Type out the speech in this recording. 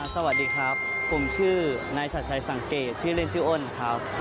สวัสดีครับผมชื่อนายชัดชัยสังเกตชื่อเล่นชื่ออ้นครับ